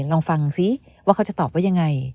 ลองฟังซิว่าเขาจะตอบว่ายังไง